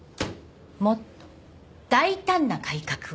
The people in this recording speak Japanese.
もっと大胆な改革を。